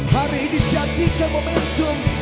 hari ini sejati ke momentum